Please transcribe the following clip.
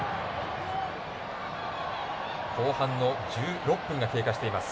後半の１６分が経過しています。